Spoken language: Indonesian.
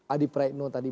adi praetno tadi